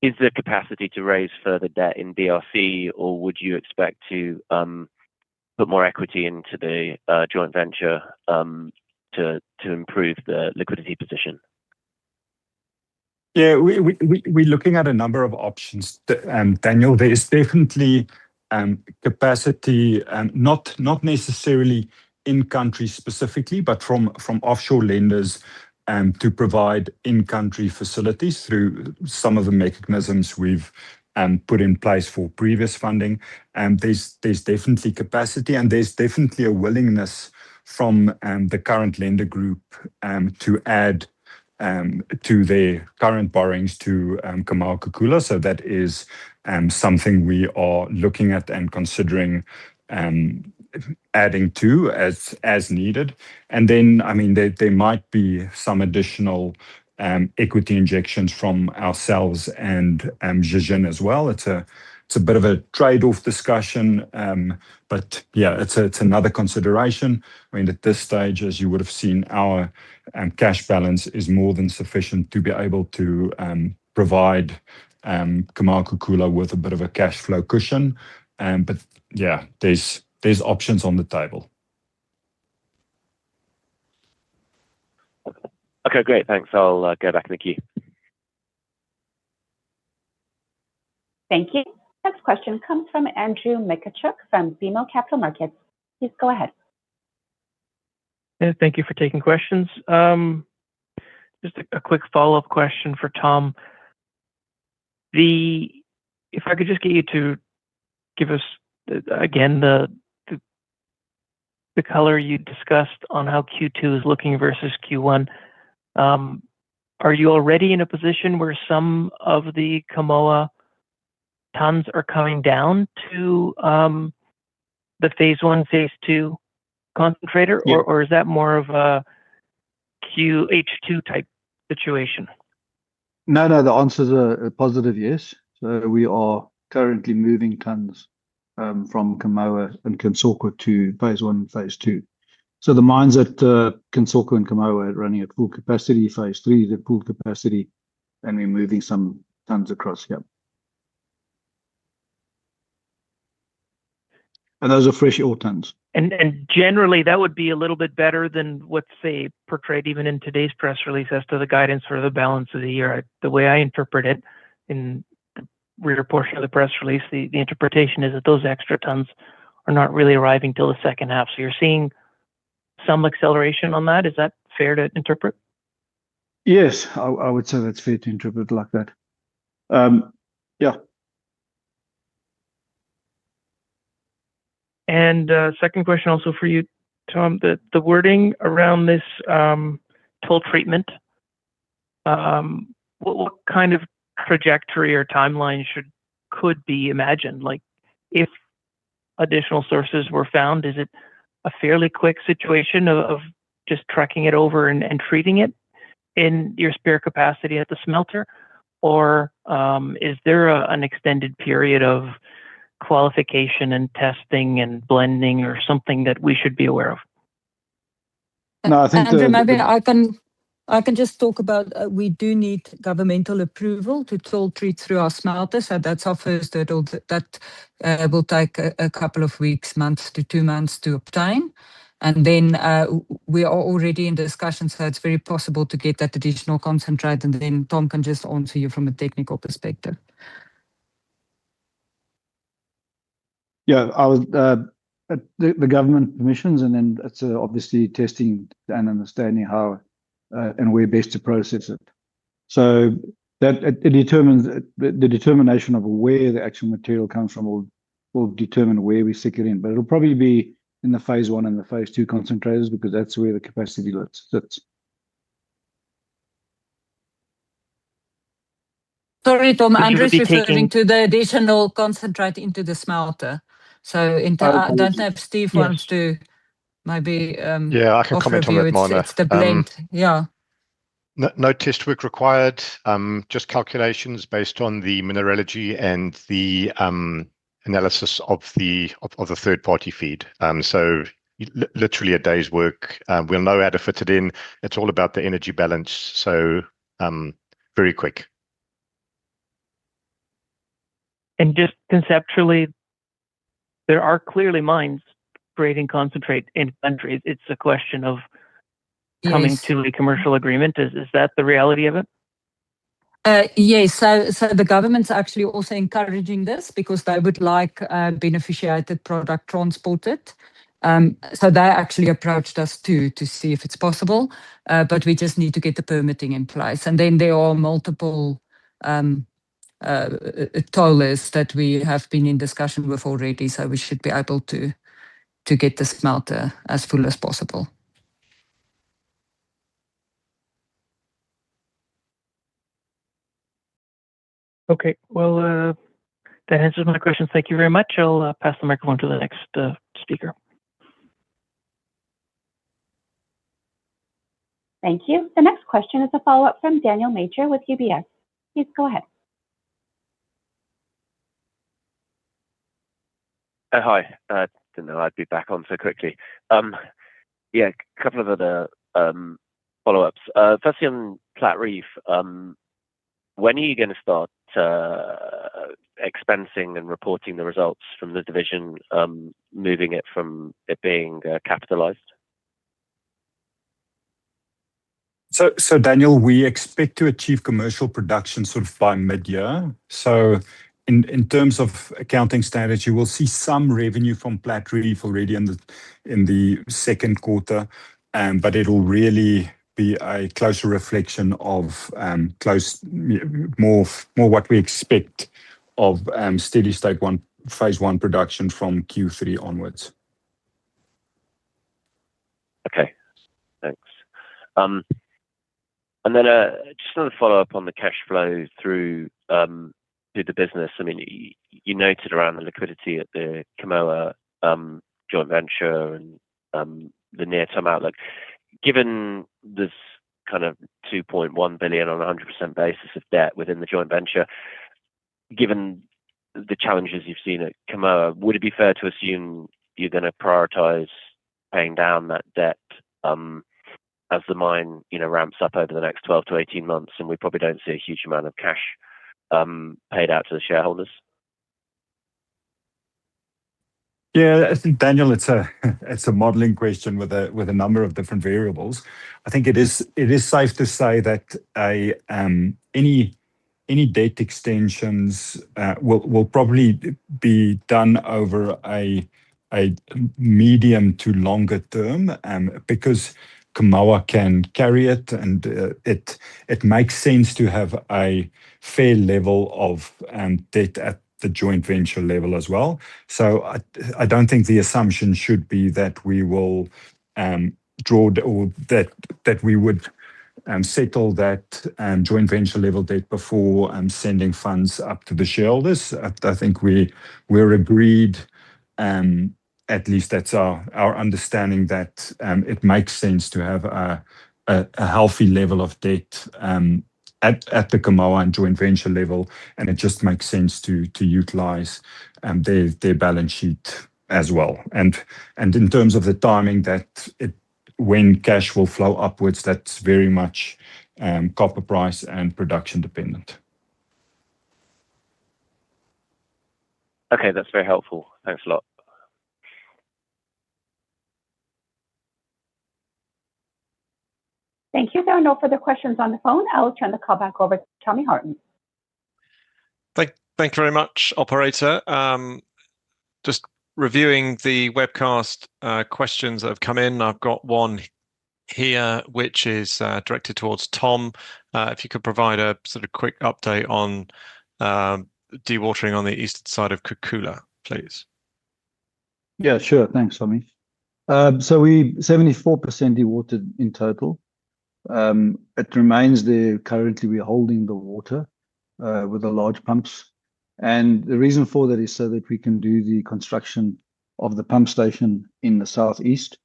Is there capacity to raise further debt in DRC or would you expect to put more equity into the joint venture to improve the liquidity position? Yeah, we're looking at a number of options. Daniel, there is definitely capacity, not necessarily in country specifically, but from offshore lenders, to provide in-country facilities through some of the mechanisms we've put in place for previous funding. There's definitely capacity and there's definitely a willingness from the current lender group, to add to their current borrowings to Kamoa-Kakula. That is something we are looking at and considering adding to as needed. I mean, there might be some additional equity injections from ourselves and Zijin as well. It's a bit of a trade-off discussion. Yeah, it's another consideration. I mean, at this stage, as you would have seen, our cash balance is more than sufficient to be able to provide Kamoa-Kakula with a bit of a cash flow cushion. Yeah, there's options on the table. Okay. Okay, great. Thanks. I'll go back to the queue. Thank you. Next question comes from Andrew Mikitchook from BMO Capital Markets. Please go ahead. Yeah, thank you for taking questions. Just a quick follow-up question for Tom. If I could just get you to give us, again, the color you discussed on how Q2 is looking versus Q1. Are you already in a position where some of the Kamoa tons are coming down to the phase I, phase II concentrator? Yeah. Is that more of a H2 type situation? No, no, the answer is a positive yes. We are currently moving tons from Kamoa and Kansoko to phase I and phase II. The mines at Kansoko and Kamoa are running at full capacity. Phase III is at full capacity, and we're moving some tons across. Yeah. Those are fresh ore tons. Generally, that would be a little bit better than what's, say, portrayed even in today's press release as to the guidance for the balance of the year. The way I interpret it in the rear portion of the press release, the interpretation is that those extra tonnes are not really arriving till the second half. You're seeing some acceleration on that. Is that fair to interpret? Yes. I would say that's fair to interpret like that. Second question also for you, Tom. The wording around this toll treatment, what kind of trajectory or timeline could be imagined? Like, if additional sources were found, is it a fairly quick situation of just trucking it over and treating it in your spare capacity at the smelter? Or, is there an extended period of qualification and testing and blending or something that we should be aware of? No, I think the- Andrew, maybe I can just talk about, we do need governmental approval to toll treat through our smelter. That's our first hurdle that will take a couple of weeks, months to two months to obtain. We are already in discussions, it's very possible to get that additional concentrate. Tom can just answer you from a technical perspective. Yeah. I would, the government permissions and then it's obviously testing and understanding how and where best to process it. The determination of where the actual material comes from will determine where we stick it in. It'll probably be in the phase I and the phase II concentrators because that's where the capacity sits. Sorry, Tom. Andrew's referring to the additional concentrate into the smelter. Oh I don't know if Steve wants to maybe. Yeah, I can comment on that, Marna Cloete. offer a view. It's the blend. Yeah. No test work required. Just calculations based on the mineralogy and the analysis of the third-party feed. Literally a day's work. We'll know how to fit it in. It's all about the energy balance. Very quick. Just conceptually, there are clearly mines creating concentrate in-country. Yes coming to a commercial agreement, is that the reality of it? Yes. The government's actually also encouraging this because they would like a beneficiated product transported. They actually approached us to see if it's possible. But we just need to get the permitting in place. There are multiple tollers that we have been in discussion with already, so we should be able to get the smelter as full as possible. Okay. Well, that answers my questions. Thank you very much. I'll pass the microphone to the next speaker. Thank you. The next question is a follow-up from Daniel Major with UBS. Please go ahead. Hi. Didn't know I'd be back on so quickly. Yeah, couple of other follow-ups. Firstly on Platreef, when are you gonna start expensing and reporting the results from the division, moving it from it being capitalized? Daniel, we expect to achieve commercial production sort of by mid-year. In terms of accounting standards, you will see some revenue from Platreef already in the second quarter. It'll really be a closer reflection of more what we expect of steady state 1, phase I production from Q3 onwards. Okay, thanks. Just another follow-up on the cash flow through the business. I mean, you noted around the liquidity at the Kamoa joint venture and the near-term outlook. Given this kind of $2.1 billion on 100% basis of debt within the joint venture, given the challenges you've seen at Kamoa, would it be fair to assume you're gonna prioritize paying down that debt as the mine, you know, ramps up over the next 12-18 months and we probably don't see a huge amount of cash paid out to the shareholders? Yeah, I think, Daniel, it's a modeling question with a number of different variables. I think it is safe to say that any debt extensions will probably be done over a medium to longer term, because Kamoa can carry it, and it makes sense to have a fair level of debt at the joint venture level as well. I don't think the assumption should be that we will draw or that we would settle that joint venture level debt before sending funds up to the shareholders. I think we're agreed, at least that's our understanding, that it makes sense to have a healthy level of debt at the Kamoa and joint venture level, and it just makes sense to utilize their balance sheet as well. In terms of the timing when cash will flow upwards, that's very much copper price and production dependent. Okay, that's very helpful. Thanks a lot. Thank you. There are no further questions on the phone. I'll turn the call back over to Tommy Horton. Thank you very much, operator. Just reviewing the webcast questions that have come in. I've got one here which is directed towards Tom. If you could provide a sort of quick update on dewatering on the eastern side of Kakula, please. Yeah, sure. Thanks, Tommy. We 74% dewatered in total. It remains there. Currently, we are holding the water with the large pumps. The reason for that is so that we can do the construction of the pump station in the southeast.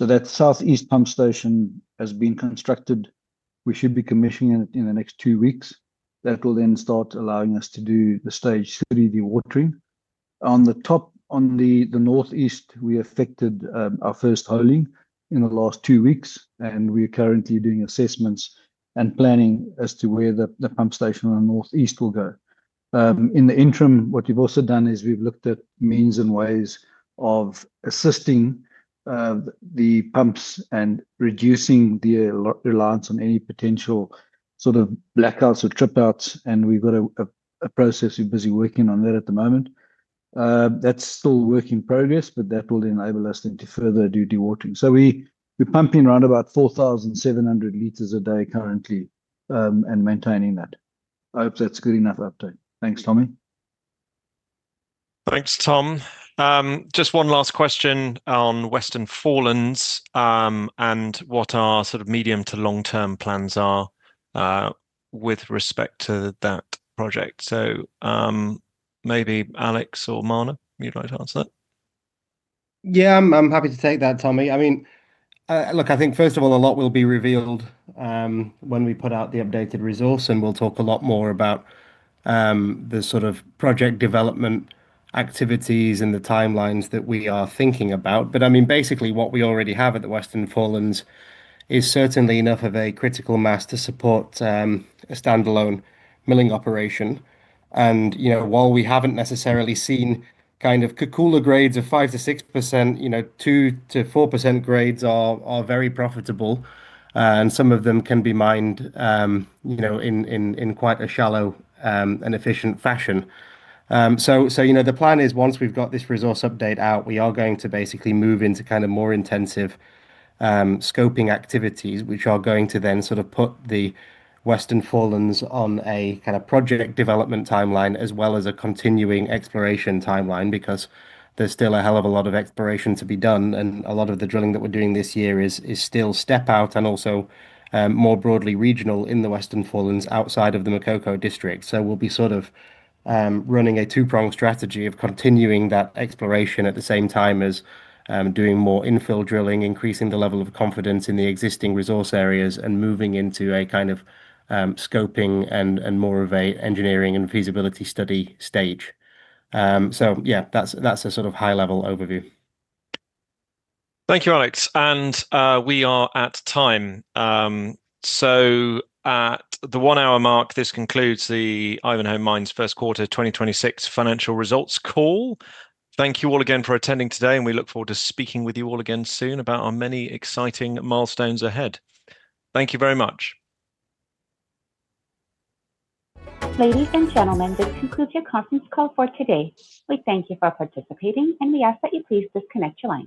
That southeast pump station has been constructed. We should be commissioning it in the next two weeks. That will start allowing us to do the stage 3 dewatering. On the top, on the northeast, we affected our first holing in the last two weeks, and we are currently doing assessments and planning as to where the pump station on the northeast will go. In the interim, what we've also done is we've looked at means and ways of assisting the pumps and reducing the reliance on any potential sort of blackouts or trip outs, and we've got a process we're busy working on that at the moment. That's still work in progress, but that will enable us then to further do dewatering. We're pumping around about 4,700 liters a day currently and maintaining that. I hope that's a good enough update. Thanks, Tommy. Thanks, Tom. Just one last question on Western Forelands, and what our sort of medium to long-term plans are with respect to that project. Maybe Alex or Marna, you'd like to answer that? Yeah, I'm happy to take that, Tommy. I mean, look, I think first of all, a lot will be revealed when we put out the updated resource, and we'll talk a lot more about the sort of project development activities and the timelines that we are thinking about. I mean, basically what we already have at the Western Forelands is certainly enough of a critical mass to support a standalone milling operation. You know, while we haven't necessarily seen kind of Kakula grades of 5%-6%, you know, 2%-4% grades are very profitable. Some of them can be mined, you know, in quite a shallow and efficient fashion. You know, the plan is once we've got this resource update out, we are going to basically move into kind of more intensive scoping activities, which are going to then sort of put the Western Forelands on a kind of project development timeline as well as a continuing exploration timeline, because there's still a hell of a lot of exploration to be done. A lot of the drilling that we're doing this year is still step out and also more broadly regional in the Western Forelands outside of the Makoko district. We'll be sort of running a two-pronged strategy of continuing that exploration at the same time as doing more infill drilling, increasing the level of confidence in the existing resource areas, and moving into a kind of scoping and more of an engineering and feasibility study stage. Yeah, that's a sort of high level overview. Thank you, Alex. We are at time. At the one hour mark, this concludes the Ivanhoe Mines' first quarter 2026 financial results call. Thank you all again for attending today, and we look forward to speaking with you all again soon about our many exciting milestones ahead. Thank you very much. Ladies and gentlemen, this concludes your conference call for today. We thank you for participating, and we ask that you please disconnect your line.